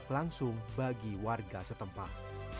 langsung bagi warga setempat